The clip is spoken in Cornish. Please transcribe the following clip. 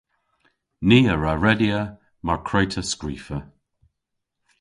Ni a wra redya mar kwre'ta skrifa.